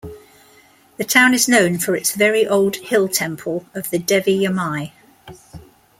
The town is known for its very old hill temple of the Devi Yamai.